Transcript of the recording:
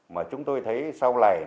mà chúng tôi thấy sau này